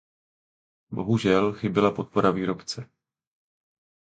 Bohužel chyběla podpora výrobce.